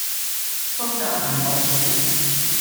酥炸魚柳條